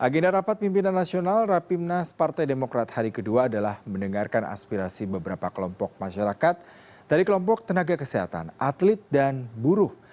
agenda rapat pimpinan nasional rapimnas partai demokrat hari kedua adalah mendengarkan aspirasi beberapa kelompok masyarakat dari kelompok tenaga kesehatan atlet dan buruh